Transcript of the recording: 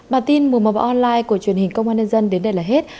bản tin mùa một online của truyền hình công an nhân dân đến đây là hết